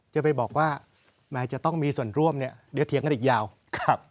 จะไปบอกว่าแม้จะต้องมีส่วนร่วมเนี่ยเดี๋ยวเถียงกันอีกยาวครับ